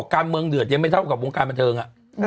การเมืองเดือดยังไม่เท่ากับวงการบันเทิง